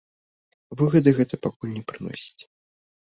Выгады гэта пакуль не прыносіць.